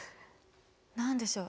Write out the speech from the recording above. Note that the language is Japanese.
何でしょう？